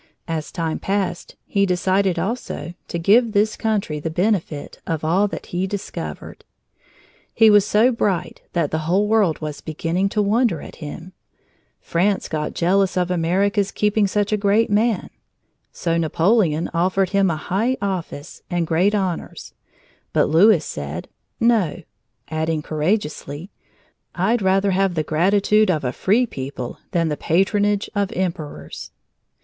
As time passed, he decided, also, to give this country the benefit of all that he discovered. He was so bright that the whole world was beginning to wonder at him. France got jealous of America's keeping such a great man. So Napoleon offered him a high office and great honors; but Louis said "No," adding courageously: "I'd rather have the gratitude of a free people than the patronage of Emperors!"